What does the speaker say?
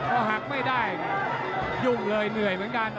พอหักไม่ได้ยุ่งเลยเหนื่อยเหมือนกัน